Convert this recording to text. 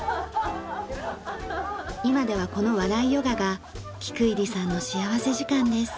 今ではこの笑いヨガが菊入さんの幸福時間です。